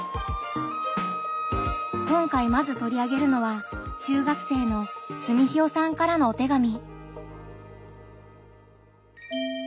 今回まずとり上げるのは中学生のすみひよさんからのお手紙。